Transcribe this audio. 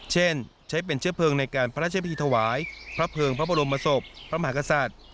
เช่นใช้เป็นเชื้อเพลิงในการพระราชพิธีถวายพระเภิงพระบรมศพพระมหากษัตริย์